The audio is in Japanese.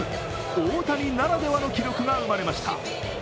大谷ならではの記録が生まれました。